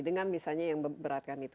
dengan misalnya yang memberatkan itu